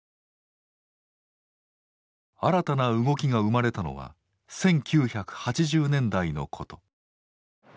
新たな動きが生まれたのは１９８０年代のこと。